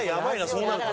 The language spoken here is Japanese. そうなると。